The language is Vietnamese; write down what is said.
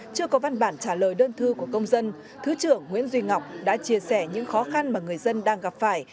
chưa có văn bản trả lời đơn thư của công dân thứ trưởng nguyễn duy ngọc đã chia sẻ những khó khăn mà người dân đang gặp phải